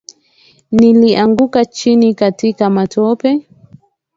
Nilianguka chini katika matope.